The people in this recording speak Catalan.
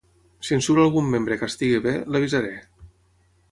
Si en surt algun membre que estigui bé, l'avisaré.